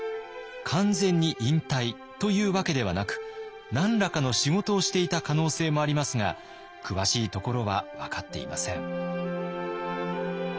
完全に引退というわけではなく何らかの仕事をしていた可能性もありますが詳しいところは分かっていません。